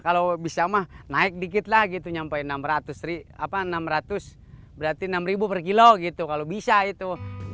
kalau bisa mah naik dikit lah gitu nyampe enam ratus berarti rp enam per kilo gitu kalau bisa itu